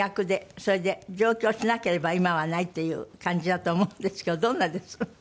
それで上京しなければ今はないという感じだと思うんですけどどんなです？